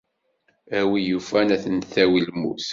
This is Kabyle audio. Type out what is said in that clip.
Awi yufan ad ten-tawi lmut.